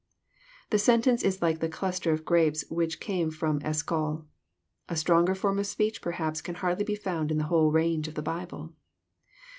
This sentence is like the cluster of grapes which came from Eshcol. A stronger form of speech perhaps can hardly be found in the whole range of the Bible.